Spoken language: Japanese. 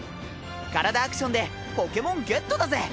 カラダアクションでポケモンゲットだぜ！